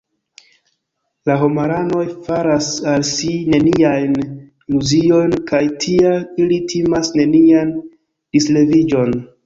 La homaranoj faras al si neniajn iluziojn kaj tial ili timas nenian disreviĝon.